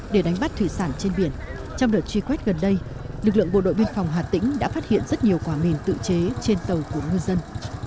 để đánh bắt thủy sản trên biển trong đợt truy quét gần đây lực lượng bộ đội biên phòng hà tĩnh đã phát hiện rất nhiều quả mìn tự chế trên tàu của ngư dân